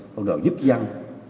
phong trào giúp dân